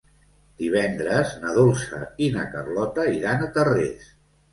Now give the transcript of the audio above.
Divendres na Dolça i na Carlota iran a Tarrés.